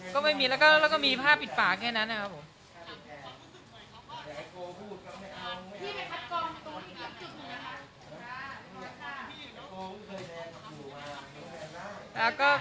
ก็ไม่มีแล้วก็มีผ้าปิดปากแค่นั้นนะครับผม